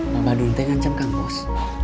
bapak dunte ngancam kang bos